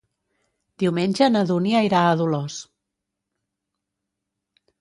Diumenge na Dúnia irà a Dolors.